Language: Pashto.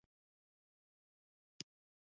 او بالکل ئې د ړق نه اوباسي -